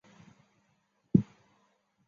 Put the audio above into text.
短果百脉根为豆科百脉根属下的一个种。